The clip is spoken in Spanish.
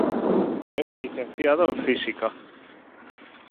Es licenciado en Física.